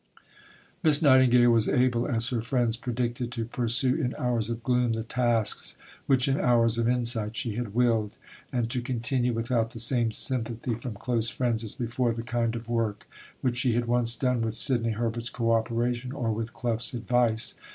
Miss Nightingale was able, as her friends predicted, to pursue in hours of gloom the tasks which in hours of insight she had willed; and to continue, without the same sympathy from close friends as before, the kind of work which she had once done with Sidney Herbert's co operation or with Clough's advice.